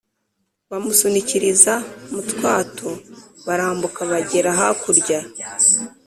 bamusunikiriza mubwato barambuka bagera hakurya!